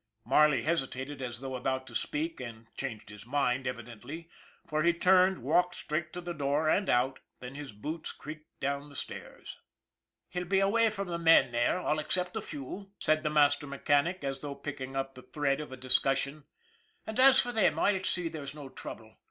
Marley hesitated as though about to speak and changed his mind, evidently, for he turned, walked straight to the door and out, then his boots creaked down the stairs. " He'll be away from the men there, all except a few," said the master mechanic, as though picking up the thread of a discussion. " And as for them, I'll see there's no trouble.